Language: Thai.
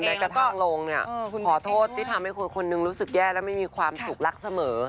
กระทั่งลงเนี่ยขอโทษที่ทำให้คนคนหนึ่งรู้สึกแย่และไม่มีความสุขรักเสมอ